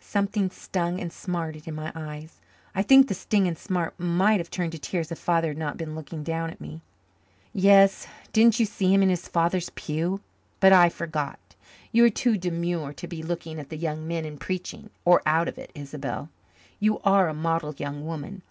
Something stung and smarted in my eyes. I think the sting and smart might have turned to tears if Father had not been looking down at me. "Yes. Didn't you see him in his father's pew? But I forgot. You are too demure to be looking at the young men in preaching or out of it, Isobel. You are a model young woman.